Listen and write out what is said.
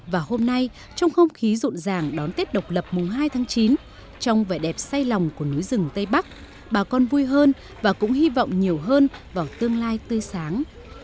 và hôm nay trong không khí rộn ràng đón tết độc lập mùng hai tháng chín trong vẻ đẹp say lòng của núi rừng tây bắc bà con vui hơn và cũng hy vọng nhiều hơn vào tương lai tươi sáng